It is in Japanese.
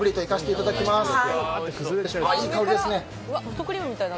いい香りですね。